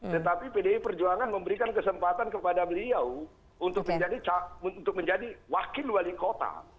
tetapi pdi perjuangan memberikan kesempatan kepada beliau untuk menjadi wakil wali kota